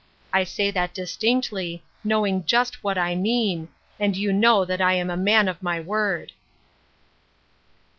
I say that distinctly, knowing just what I mean, and you know that I am a man of my word."